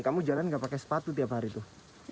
kamu jalan gak pakai sepatu tiap hari tuh